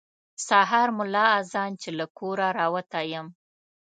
سهار ملا اذان چې له کوره راوتی یم.